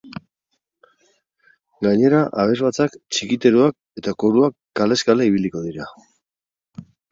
Gainera, abesbatzak, txikiteroak eta koruak kalez kale ibiliko dira.